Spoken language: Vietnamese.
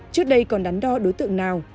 trước đây còn đắn đo đối tượng nào